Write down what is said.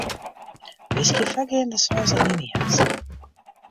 Wiskje foargeande seis alinea's.